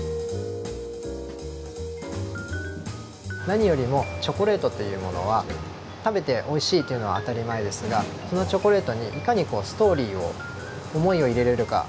何よりもチョコレートというものは食べておいしいというのは当たり前ですがそのチョコレートにいかにストーリーを思いを入れれるか。